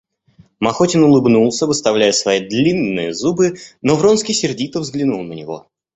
Махотин улыбнулся, выставляя свои длинные зубы, но Вронский сердито взглянул на него.